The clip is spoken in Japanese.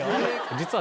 実は。